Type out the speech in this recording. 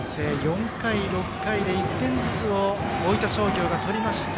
４回、６回で１点ずつを大分商業が取りました。